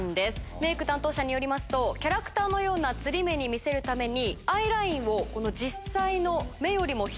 メイク担当者によりますとキャラクターのようなつり目に見せるために。